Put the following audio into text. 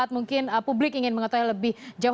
mungkin publik ingin mengetahui lebih jauh